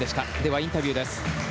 インタビューです。